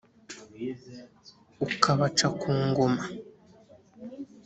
ukabaca ku ngoma.